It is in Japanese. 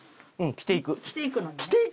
「着ていく」？